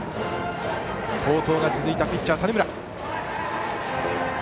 好投が続いたピッチャー、種村。